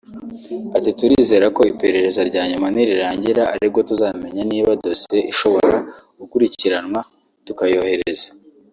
Ati “ Turizera ko iperereza rya nyuma nirirangira ari bwo tuzamenya niba dosiye ishobora gukurikiranwa tukayohereza